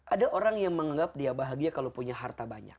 ada orang yang menganggap dia bahagia kalau punya harta banyak